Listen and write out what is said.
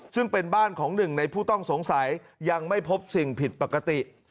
ซึ่งเป็นบ้านของหนึ่งในผู้ต้องสงสัยยังไม่พบสิ่งผิดปกติ